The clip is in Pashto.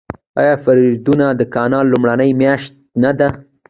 آیا فروردین د کال لومړۍ میاشت نه ده؟